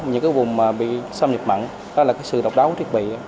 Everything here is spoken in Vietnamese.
những cái vùng bị xâm nhập mặn đó là sự độc đáo của thiết bị